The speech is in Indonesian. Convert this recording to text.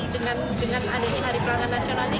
dengan adanya hari pelanggan nasional ini